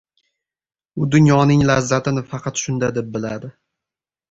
U dunyoning lazzatini faqat shunda deb biladi...